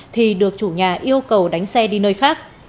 thì được chủ nhà yêu cầu đánh xe đi nơi khác